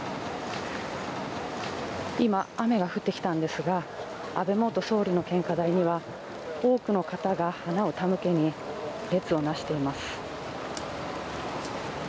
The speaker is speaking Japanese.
今、雨が降ってきたんですが安倍元総理の献花台には多くの方が花を手向けに列をなしています。